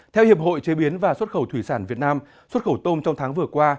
theo hiệp hội chế biến và xuất khẩu thủy sản việt nam xuất khẩu tôm trong tháng vừa qua